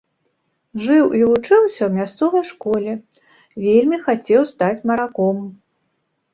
Жыў і вучыўся ў мясцовай школе, вельмі хацеў стаць мараком.